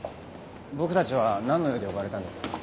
僕たちはなんの用で呼ばれたんですか？